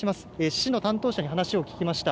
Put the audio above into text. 市の担当者に話を聞きました。